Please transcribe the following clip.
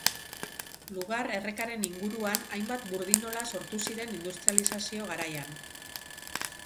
Lugar errekaren inguruan hainbat burdinola sortu ziren industrializazio garaian.